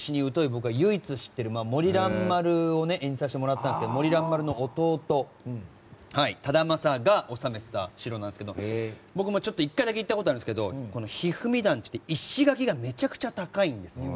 僕が唯一知ってる森蘭丸を演じさせてもらったんですけど森蘭丸の弟が治めていた城なんですけど僕も１回だけ行ったことあるんですけど一二三段っていって石垣がめちゃくちゃ高いんです。